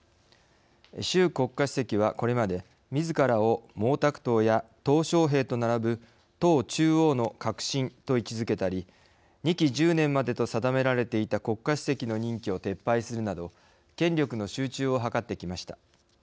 習国家主席はこれまで、みずからを毛沢東や、とう小平と並ぶ党中央の核心と位置づけたり２期１０年までと定められていた国家主席の任期を撤廃するなど権力の集中を図ってきました。